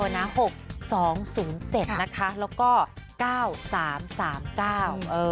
๖๒๐๗นะคะแล้วก็๙๓๓๙